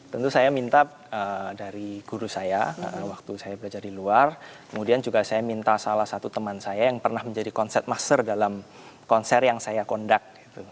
tentu saya minta dari guru saya waktu saya belajar di luar kemudian juga saya minta salah satu teman saya yang pernah menjadi konsep master dalam konser yang saya conduct